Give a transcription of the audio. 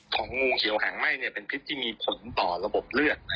งูเขียวหางไหม้เนี่ยเป็นพิษที่มีผลต่อระบบเลือด